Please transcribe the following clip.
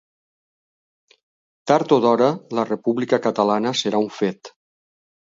Tard o d'hora la República catalana serà un fet.